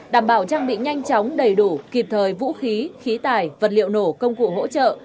đảm bảo trang bị nhanh chóng đầy đủ kịp thời vũ khí khí tài vật liệu nổ công cụ hỗ trợ